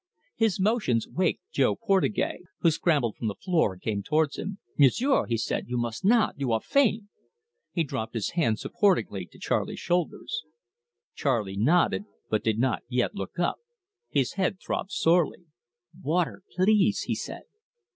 His motions waked Jo Portugais, who scrambled from the floor, and came towards him. "M'sieu'," he said, "you must not. You are faint." He dropped his hands supportingly to Charley's shoulders. Charley nodded, but did not yet look up. His head throbbed sorely. "Water please!" he said.